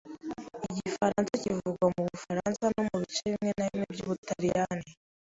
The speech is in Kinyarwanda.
Igifaransa kivugwa mu Bufaransa no mu bice bimwe na bimwe by'Ubutaliyani.